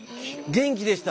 元気でした。